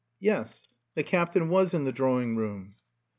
Yes, the Captain was in the drawing room.